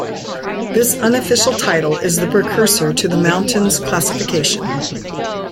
This unofficial title is the precursor to the mountains classification.